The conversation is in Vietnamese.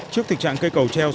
trước thị trạng cây cầu treo xuống